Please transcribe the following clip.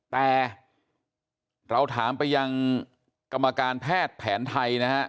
แต่เราถามไปยังกรรมการแพทย์แผนไทยนะฮะ